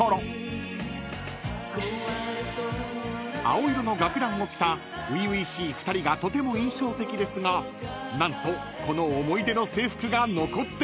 ［青色の学ランを着た初々しい２人がとても印象的ですが何とこの思い出の制服が残っていたんです］